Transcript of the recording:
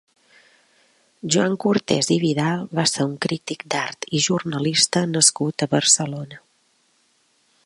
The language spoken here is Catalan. Joan Cortés i Vidal va ser un crític d'art i jornalista nascut a Barcelona.